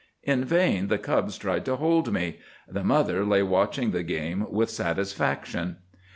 In vain the cubs tried to hold me. The mother lay watching the game with satisfaction.